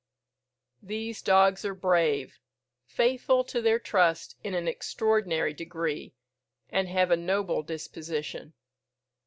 These dogs are brave, faithful to their trust in an extraordinary degree, and have a noble disposition.